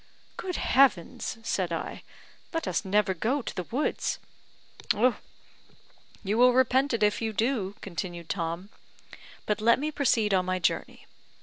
"Good Heavens!" said I, "let us never go to the woods." "You will repent if you do," continued Tom. "But let me proceed on my journey.